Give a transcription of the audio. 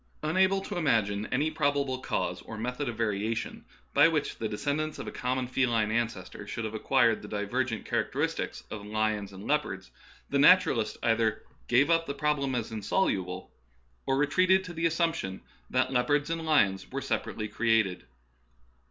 Unable to imagine any probable cause or method of variation by which the descendants of a common feline ancestor should have acquired the divergent characters of lions and leopards, the naturalist either gave up the problem as insoluble, Darwinism Verified. 21 or else retreated upon the assumption that leop ards and lions were separately created.